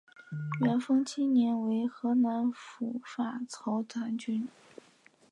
元丰七年为河南府法曹参军。